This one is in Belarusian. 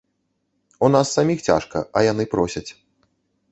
У нас саміх цяжка, а яны просяць.